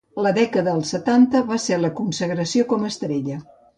La dècada dels setanta va ser la consagració com estrella.